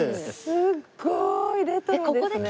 すごいレトロですね。